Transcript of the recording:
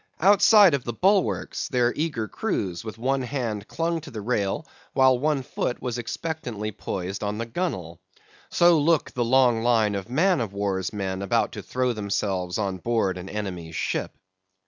Outside of the bulwarks their eager crews with one hand clung to the rail, while one foot was expectantly poised on the gunwale. So look the long line of man of war's men about to throw themselves on board an enemy's ship.